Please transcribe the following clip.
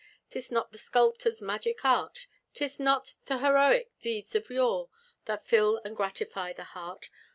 "Tis not the sculptor's magic art, "Tis not th' heroic deeds of yore, That fill and gratify the heart.